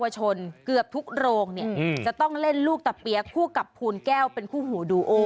จะต้องเล่นลูกตะเปี๊ยกคู่กับภูนแก้วเป็นคู่หูดูโอ